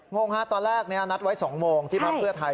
งงฮะตอนแรกเนี่ยนัดไว้สองโมงที่พักเรือไทย